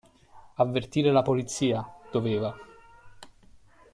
Avvertire la polizia, doveva.